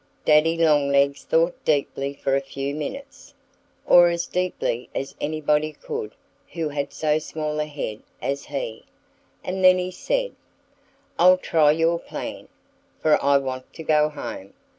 Daddy Longlegs thought deeply for a few minutes or as deeply as anybody could who had so small a head as he. And then he said: "I'll try your plan, for I want to go home.